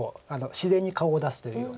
自然に顔を出すというような。